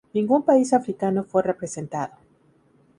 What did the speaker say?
Ningún país africano fue representado.